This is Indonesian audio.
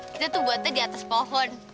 kita tuh buatnya di atas pohon